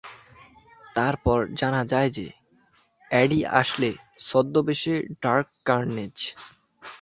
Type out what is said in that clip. তারপর জানা যায় যে এডি আসলে ছদ্মবেশী ডার্ক কার্নেজ।